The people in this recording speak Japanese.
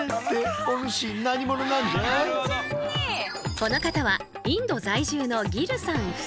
この方はインド在住のギルさん夫妻。